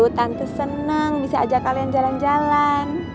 tante senang bisa ajak kalian jalan jalan